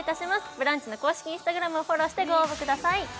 「ブランチ」の公式Ｉｎｓｔａｇｒａｍをフォローしてご応募ください。